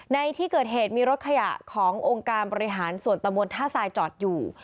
ในที่เกิดเหตุมีรถขยะขององค์การบริหารส่วนตะมนต์ท่าทรายจอดอยู่